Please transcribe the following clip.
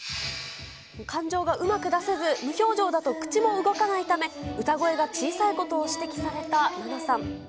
感情がうまく出せず、無表情だと口も動かないため、歌声が小さいことを指摘されたナナさん。